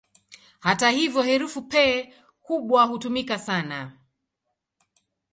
Hata hivyo, herufi "P" kubwa hutumika sana.